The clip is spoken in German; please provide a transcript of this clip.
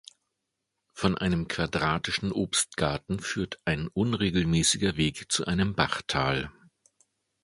Von einem quadratischen Obstgarten führt ein unregelmäßiger Weg zu einem Bachtal.